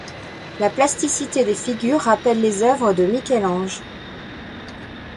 La plasticité des figures rappelle les œuvres de Michel-Ange.